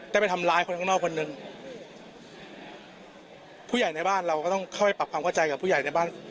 ไปทำร้ายคนข้างนอกคนหนึ่งผู้ใหญ่ในบ้านเราก็ต้องค่อยปรับความเข้าใจกับผู้ใหญ่ในบ้าน